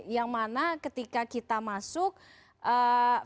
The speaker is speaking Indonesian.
yang mana ketika kita masuk verifikasinya pun akan membutuhkan